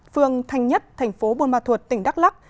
phường thanh nhất thành phố bôn ma thuột tỉnh đắk lắc